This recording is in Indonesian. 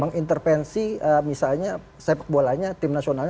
mengintervensi misalnya sepak bolanya tim nasionalnya